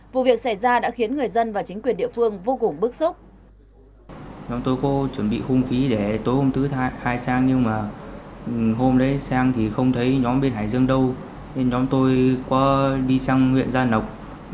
vụ việc xảy ra đã khiến người dân và chính quyền địa phương vô cùng bức xúc